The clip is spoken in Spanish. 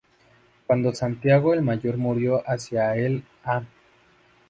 Cuando Santiago el Mayor murió hacia el a.